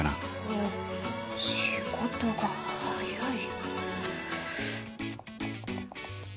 おっ仕事が早い。